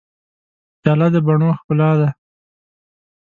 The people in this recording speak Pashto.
پیاله د بڼو ښکلا ده.